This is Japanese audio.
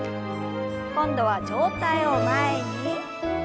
今度は上体を前に。